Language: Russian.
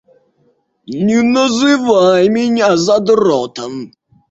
Не называй меня задротом!